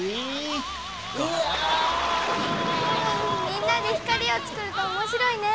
みんなで光をつくると面白いね。